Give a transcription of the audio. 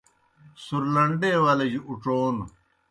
سُرلنڈے ولِجیْ اُڇھون